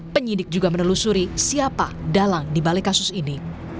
penyidik juga menelusuri siapa dalang dibalik kasus ini